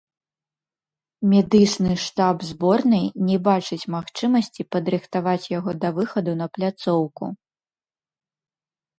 Медычны штаб зборнай не бачыць магчымасці падрыхтаваць яго да выхаду на пляцоўку.